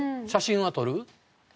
写真は撮る？